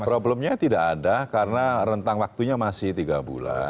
problemnya tidak ada karena rentang waktunya masih tiga bulan